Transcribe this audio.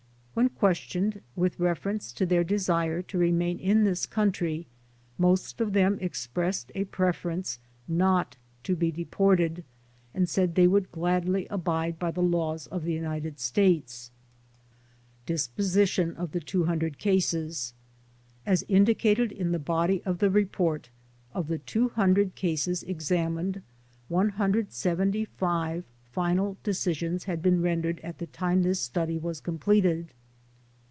When questioned with reference to their desire to remain SUMMARY 95 in this country most of them expressed a preference not to be deported and said they would gladly .abide by the laws of the United States. Disposition of the 200 Cases As indicated in the body of the report, of the 200 cases examined 175 final decisions had been rendered at the time this study was completed.